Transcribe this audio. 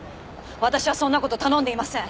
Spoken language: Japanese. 私はそんな事頼んでいません。